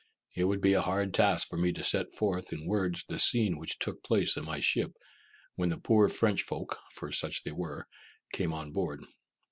It would be a hard task for me to set forth in words the scene which took place in my ship, when the poor French folk (for such they were) came on board.